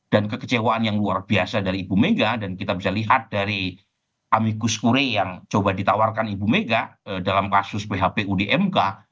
dan kekecewaan yang luar biasa dari ibu mega dan kita bisa lihat dari amicus kure yang coba ditawarkan ibu mega dalam kasus php udmk